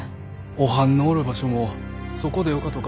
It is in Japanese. おはんのおる場所もそこでよかとか？